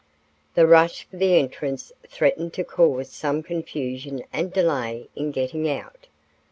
The rush for the entrance threatened to cause some confusion and delay in getting out.